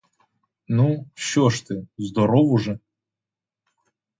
Ну, що ж ти, здоров уже?